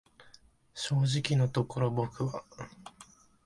正直のところ僕は、